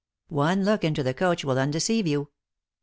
One look into the coach will undeceive you.